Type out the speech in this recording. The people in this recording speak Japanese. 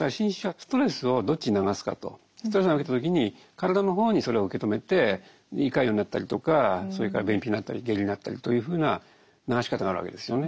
ストレス受けた時に体の方にそれを受け止めて胃潰瘍になったりとかそれから便秘になったり下痢になったりというふうな流し方があるわけですよね。